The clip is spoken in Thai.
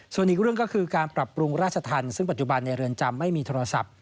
ส่วนอีกเรื่องก็คือการปรับปรุงราชธรรมซึ่งปัจจุบันในเรือนจำไม่มีโทรศัพท์